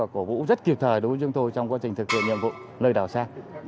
cũng rất kịp thời đối với chúng tôi trong quá trình thực hiện nhiệm vụ nơi đảo sa